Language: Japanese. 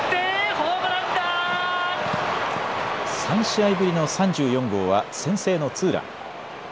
３試合ぶりの３４号は先制のツーラン。